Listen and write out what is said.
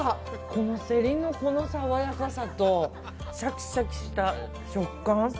このセリの爽やかさとシャキシャキした食感。